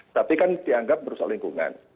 tapi kan dianggap merusak lingkungan